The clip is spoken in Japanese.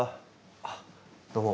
あっどうも。